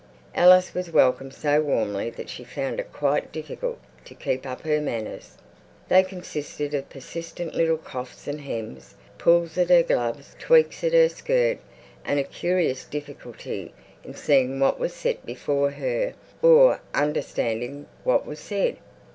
Alice was welcomed so warmly that she found it quite difficult to keep up her "manners." They consisted of persistent little coughs and hems, pulls at her gloves, tweaks at her skirt, and a curious difficulty in seeing what was set before her or understanding what was said.